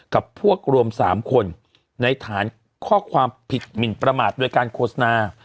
กับพวกรวม๓คนในฐานข้อความผิดหมินประมาทโดยการโฆษณา